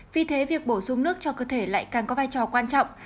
vì thế việc bổ sung nước cho cơ thể lại càng có vai trò quan trọng